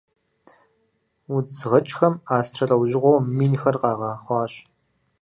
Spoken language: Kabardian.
Удз гъэкӏхэм астрэ лӏэужьыгъуэу минхэр къагъэхъуащ.